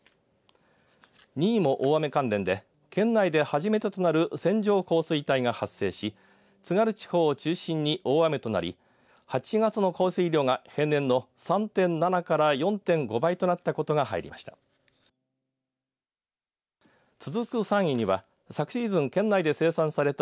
２位も大雨関連で県内で初めてとなる線状降水帯が発生し津軽地方を中心に大雨となり８月の降水量が平年の３．７から４．５倍となったことが入りました。